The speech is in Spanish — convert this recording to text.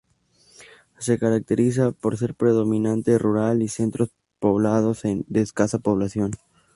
Se caracteriza por ser predominantemente rural y centros poblados de escasa población.